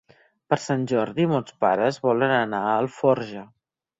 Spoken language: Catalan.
Per Sant Jordi mons pares volen anar a Alforja.